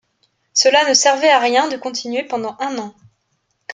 Cela ne servait à rien de continuer pendant un an.